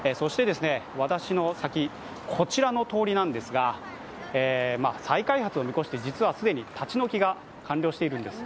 私の先、こちらの通りなんですが、再開発を見越して、既に立ち退きが完了しているんです。